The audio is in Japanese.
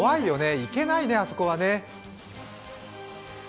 行けないね、あそこはね。